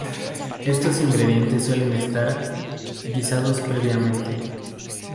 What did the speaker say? Estos ingredientes suelen estar, guisados previamente.